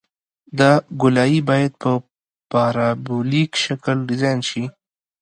دا ګولایي باید په پارابولیک شکل ډیزاین شي